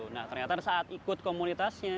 nah ternyata saat ikut komunitasnya